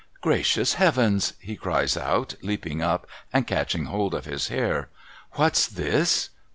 ' Gracious Heavens !' he cries out, leaping up, and catching hold of his hair. ' What's this